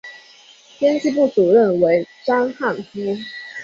编辑部主任为章汉夫。